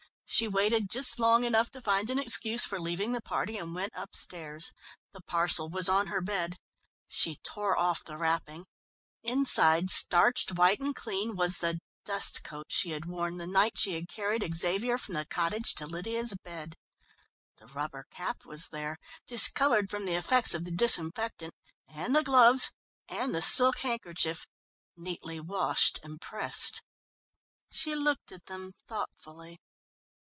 She waited just long enough to find an excuse for leaving the party, and went upstairs. The parcel was on her bed. She tore off the wrapping inside, starched white and clean, was the dust coat she had worn the night she had carried Xavier from the cottage to Lydia's bed. The rubber cap was there, discoloured from the effects of the disinfectant, and the gloves and the silk handkerchief, neatly washed and pressed. She looked at them thoughtfully.